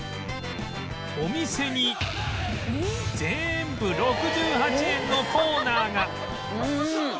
お店にぜーんぶ６８円のコーナーが